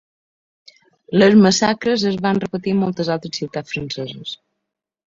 Les massacres es van repetir en moltes altres ciutats franceses.